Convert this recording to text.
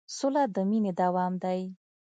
سوله د مینې دوام دی.